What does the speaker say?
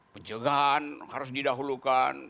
pencengahan harus didahulukan